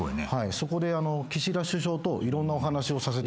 そこで岸田首相といろんなお話をさせて。